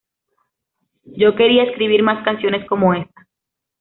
Yo quería escribir más canciones como esa".